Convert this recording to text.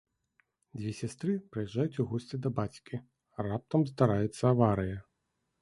Дзве сястры прыязджаюць у госці да бацькі, раптам здараецца аварыя.